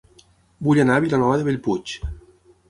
Vull anar a Vilanova de Bellpuig